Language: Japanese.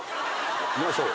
いきましょう。